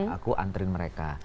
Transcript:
aku antarin mereka